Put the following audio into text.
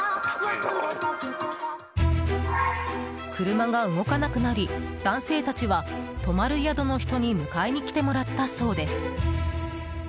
車が動かなくなり、男性たちは泊まる宿の人に迎えに来てもらったそうです。